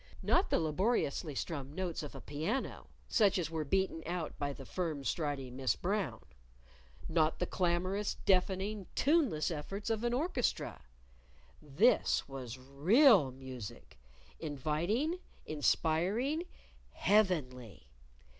not the laboriously strummed notes of a piano, such as were beaten out by the firm striding Miss Brown; not the clamorous, deafening, tuneless efforts of an orchestra. This was real music inviting, inspiring, heavenly!